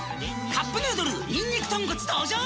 「カップヌードルにんにく豚骨」登場！